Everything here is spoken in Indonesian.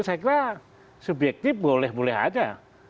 saya kira subjektif boleh boleh aja